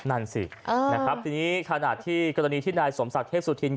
นั่นสินะครับทีนี้ขณะที่กรณีที่นายสมศักดิ์เทพสุธิน